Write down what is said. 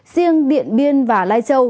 riêng điện biên và lai châu